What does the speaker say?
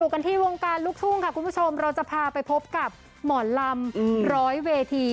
กันที่วงการลูกทุ่งค่ะคุณผู้ชมเราจะพาไปพบกับหมอลำร้อยเวที